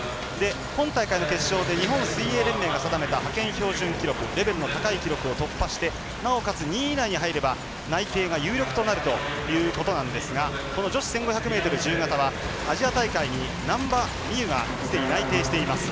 今大会の決勝で日本水泳連盟が定めた派遣標準記録レベルの高い記録を突破してなおかつ２位以内に入れば内定が有力になるということなんですがこの女子１５００ｍ自由形はアジア大会に難波実夢がすでに内定しています。